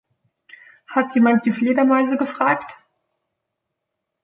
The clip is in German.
Hat jemand die Fledermäuse gefragt?